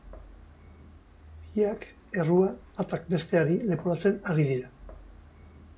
Biak errua batak besteari leporatzen ari dira.